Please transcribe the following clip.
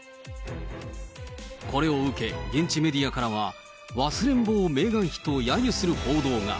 これを受け、現地メディアからは、忘れん坊メーガン妃とやゆする報道が。